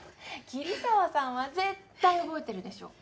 桐沢さんは絶対覚えてるでしょ。